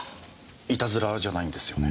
イタズラじゃないんですよね？